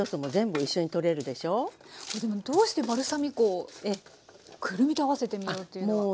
これでもどうしてバルサミコくるみで合わせてみようというのは。